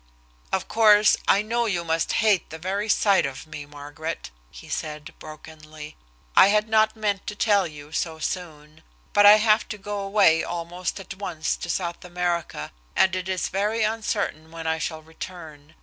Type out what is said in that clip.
"Of course, I know you must hate the very sight of me, Margaret," he said brokenly. "I had not meant to tell you so soon. But I have to go away almost at once to South America, and it is very uncertain when I shall return.